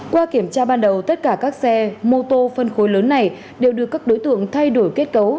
qua kiểm tra ban đầu tất cả các xe mô tô phân khối lớn này đều được các đối tượng thay đổi kết cấu